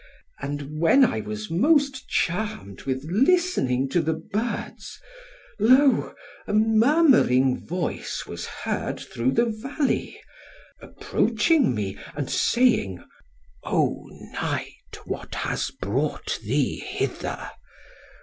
And when I was most charmed with listening to the birds, lo, a murmuring voice was heard through the valley, approaching me, and saying, 'Oh, Knight, what has brought thee hither?